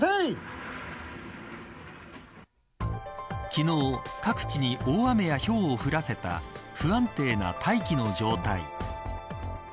昨日、各地に大雨やひょうを降らせた不安定な大気の状態。